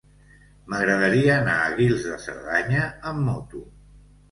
M'agradaria anar a Guils de Cerdanya amb moto.